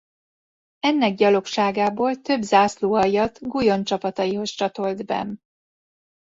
Ennek gyalogságából több zászlóaljat Guyon csapataihoz csatolt Bem.